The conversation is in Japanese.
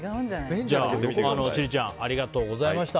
じゃあ千里ちゃんありがとうございました。